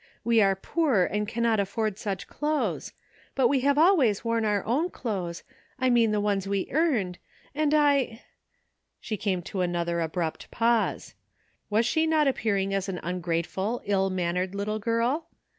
We are poor and cannot afford such clothes; but we have always worn our own clothes, I mean the ones we earned, and I" — She came to another abrupt pause. Was she not appearing as an ungrateful, ill mannere(J little girl?